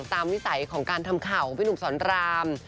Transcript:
ตามวิสัยของการทำข่าวของผู้นุ่มสรรภ์ราม